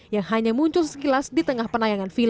yang hanya muncul sekilas di tengah penayangan film